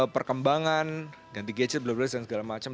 perkembangan ganti gadget dan segala macam